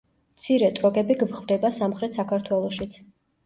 მცირე ტროგები გვხვდება სამხრეთ საქართველოშიც.